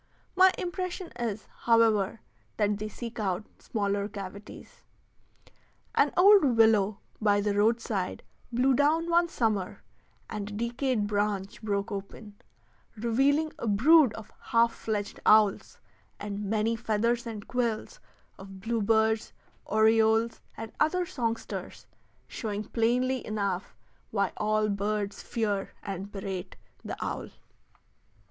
My impression is, however, that they seek out smaller cavities. An old willow by the roadside blew down one summer, and a decayed branch broke open, revealing a brood of half fledged owls, and many feathers and quills of bluebirds, orioles, and other songsters, showing plainly enough why all birds fear and berate the owl.